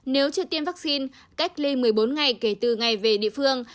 nếu chưa tiêm vaccine cách ly một mươi bốn ngày kể từ ngày về địa phương